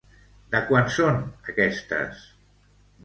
De quan són aquestes?